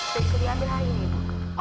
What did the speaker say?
berikut diambil hari ini bu